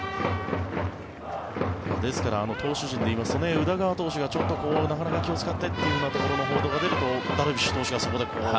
ですから投手陣でいいますと宇田川投手がなかなか気を使ってという報道が出るとダルビッシュ投手が。